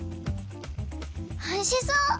おいしそう！